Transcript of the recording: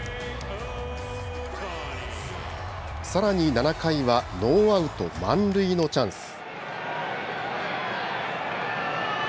さらに７回はノーアウト満塁のチャンス。